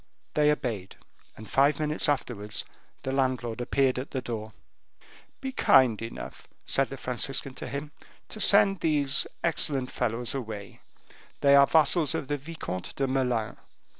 They obeyed, and five minutes afterwards the landlord appeared at the door. "Be kind enough," said the Franciscan to him, "to send these excellent fellows away; they are vassals of the Vicomte de Melun.